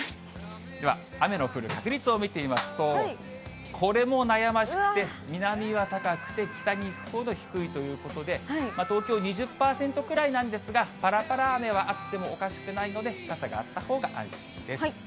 では、雨の降る確率を見てみますと、これも悩ましくて、南は高くて北にいくほど低いということで東京２０％くらいなんですが、ぱらぱら雨はあってもおかしくないので傘があったほうが安心です。